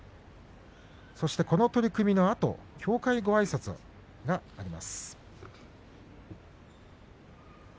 そして、この取組のあと協会ごあいさつがあります。